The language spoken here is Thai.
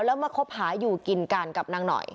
แล้วมาคบหาอยู่กินกันกับนางหน่อย